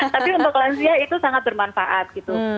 tapi untuk lansia itu sangat bermanfaat gitu